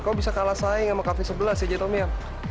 kamu bisa kalah saing sama cafe sebelas ya jatomya